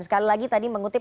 sekali lagi tadi mengutip